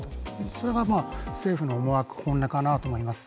それが政府の思惑、本音かなと思います。